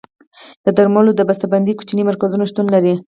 د درملو د بسته بندۍ کوچني مرکزونه شتون لري.